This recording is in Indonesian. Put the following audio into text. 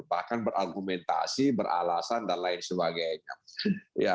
bahkan berargumentasi beralasan dan lain sebagainya